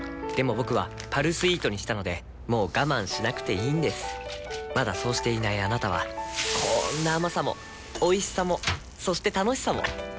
僕は「パルスイート」にしたのでもう我慢しなくていいんですまだそうしていないあなたはこんな甘さもおいしさもそして楽しさもあちっ。